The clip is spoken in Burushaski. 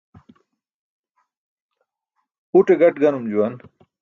Uṭe gaṭ ganum juwan.